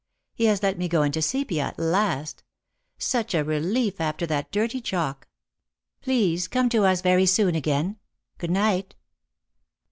He has let me go into sepia at last ; such a relief after that dirty chalk ! Please come to see us very soon again. Good night